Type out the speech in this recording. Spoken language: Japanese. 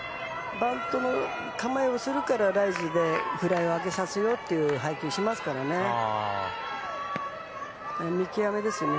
バントの構えをするからライズでフライを上げさせるよっていう配球をしますからね。